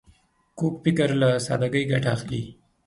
کوږ فکر له سادګۍ ګټه اخلي